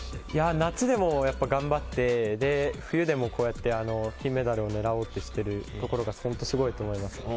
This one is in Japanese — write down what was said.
夏でも頑張ってそして、冬でもこうやって金メダルを狙おうとしているところが本当にすごいと思います。